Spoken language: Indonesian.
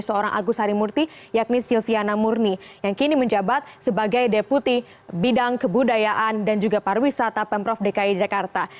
seorang agus harimurti yakni silviana murni yang kini menjabat sebagai deputi bidang kebudayaan dan juga pariwisata pemprov dki jakarta